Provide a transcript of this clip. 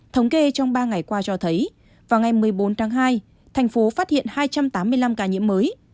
thống kê trong ba ngày qua cho thấy vào ngày một mươi bốn tháng hai thành phố phát hiện hai trăm tám mươi năm ca nhiễm mới